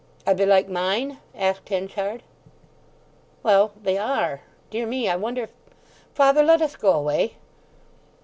"Are they like mine?" asked Henchard. "Well—they are. Dear me—I wonder if—Father, let us go away!"